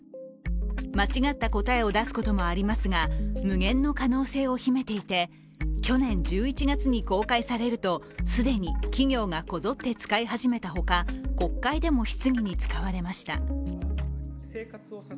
間違った答えを出すこともありますが、無限の可能性を秘めていて去年１１月に公開されると、既に企業がこぞって使い始めたほか国会でも質疑に使われました。